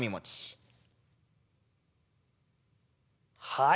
はい。